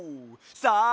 さあ